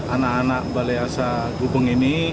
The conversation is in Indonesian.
anak anak balai asa gupeng ini